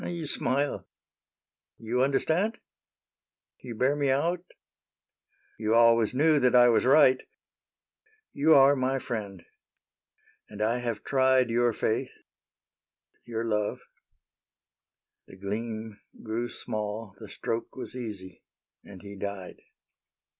... You smile ? You understand ? You bear me out ?" You always knew that I was right — You are my friend — and I have tried S AINTE NITOUCHE 1 5 7 Your faith — your love." — The gleam grew small, The stroke was easy, and he died.